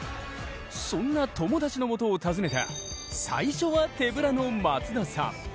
そんな友達のもとを訪ねた最初は手ぶらの松田さん。